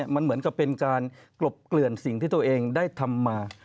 มันเหมือนกับเป็นการกลบเกลื่อนสิ่งที่ตัวเองได้ทำมา